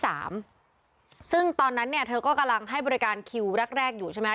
ซึ่งตอนนั้นเนี่ยเธอก็กำลังให้บริการคิวแรกแรกอยู่ใช่ไหม